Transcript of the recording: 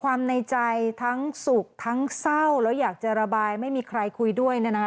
ในใจทั้งสุขทั้งเศร้าแล้วอยากจะระบายไม่มีใครคุยด้วย